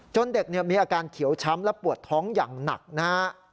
เด็กมีอาการเขียวช้ำและปวดท้องอย่างหนักนะฮะ